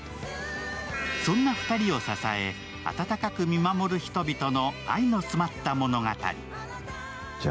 そんな２人を支え、温かく見守る人々の愛の詰まった物語。